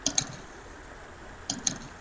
没有被告否认有罪。